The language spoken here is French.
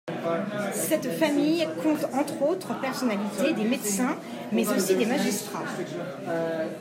Cette famille compte entre autres personnalités des médecins mais aussi des magistrats.